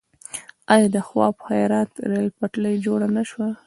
آیا د خواف هرات ریل پټلۍ جوړه نه شوه؟